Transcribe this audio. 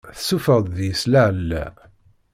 Tessuffeɣ-d deg-s lɛella.